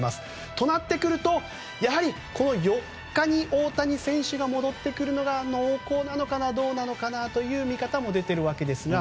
となってくるとやはり、４日に大谷選手が戻ってくるのが濃厚なのかなどうなのかなという見方も出ているわけですが。